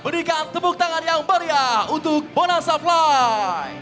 berikan tepuk tangan yang meriah untuk bonanza flight